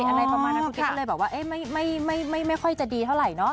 ตอนมานะคุณเกรสก็เลยบอกว่าไม่ค่อยจะดีเท่าไหร่เนาะ